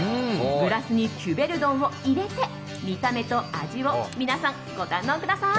グラスにキュベルドンを入れて見た目と味を皆さん、ご堪能ください。